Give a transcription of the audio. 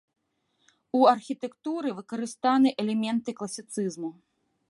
У архітэктуры выкарыстаны элементы класіцызму.